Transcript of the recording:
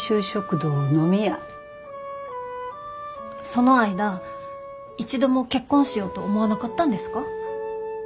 その間一度も結婚しようと思わなかったんですか？